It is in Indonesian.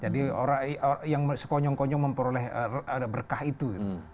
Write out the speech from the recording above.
jadi orang yang sekonyong konyong memperoleh berkah itu